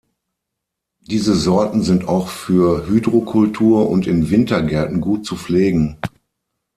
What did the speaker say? Diese Sorten sind auch für Hydrokultur und in Wintergärten gut zu pflegen.